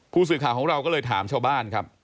ผู้สื่อข่าวของเราก็เลยถามชาวบ้านครับ